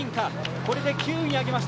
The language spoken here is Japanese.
これで９位に上げました。